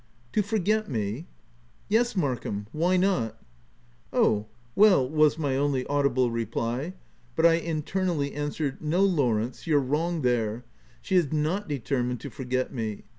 " To forget me V " Yes Markham ! Why not ?"" Oh ! well/' was my only audible reply ; but I internally answered, —" No, Lawrence, you're wrong there, she is not determined to forget me.